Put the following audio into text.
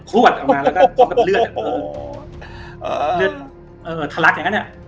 พลวดออกมาแล้วก็พร้อมกับเลือดเออเลือดเออทะลักอย่างเงี้ย